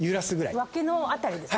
脇の辺りですね。